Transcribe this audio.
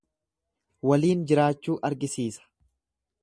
Waliin jiraachuu argisiisa.